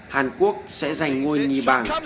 hàn quốc sẽ giành ngôi nhì bảng